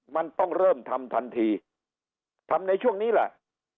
มันต้องเริ่มทำทันทีทำในช่วงนี้แหละ